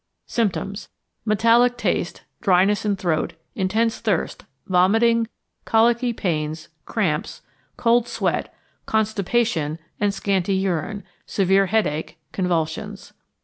Symptoms. Metallic taste, dryness in throat, intense thirst, vomiting, colicky pains, cramps, cold sweat, constipation and scanty urine, severe headache, convulsions.